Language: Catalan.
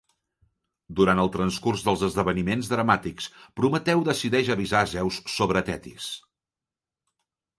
Durant el transcurs dels esdeveniments dramàtics, Prometeu decideix avisar a Zeus sobre Tetis.